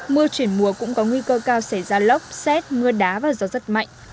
mưa chuyển mùa cũng có nguy cơ cao xảy ra lốc xét mưa đá và gió rất mạnh